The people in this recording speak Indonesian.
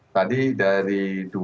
tadi dari dua